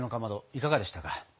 いかがでしたか？